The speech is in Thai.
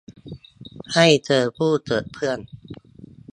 ให้เธอพูดเถอะเพื่อน